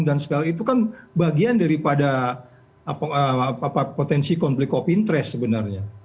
dan segala itu kan bagian daripada potensi konflik of interest sebenarnya